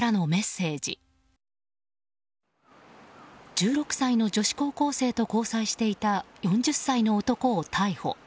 １６歳の女子高校生と交際していた４０歳の男を逮捕。